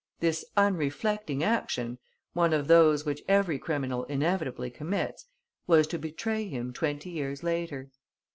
This unreflecting action, one of those which every criminal inevitably commits, was to betray him twenty years later.